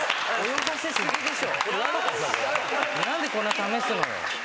何でこんな試すのよ。